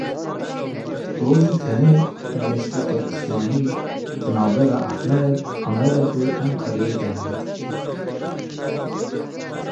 Rojê tenê geşteke esmanî di navbera Amed û Enqereyê de heye.